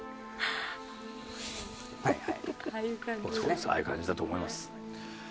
ああいう感じだと思います。